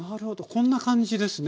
こんな感じですね